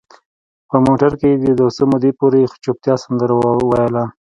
په موټر کې د یو څه مودې پورې چوپتیا سندره ویله.